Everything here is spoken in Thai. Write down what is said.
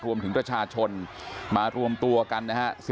รวมถึงประชาชนมารวมตัวกันนะฮะ